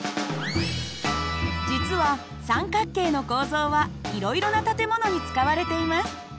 実は三角形の構造はいろいろな建物に使われています。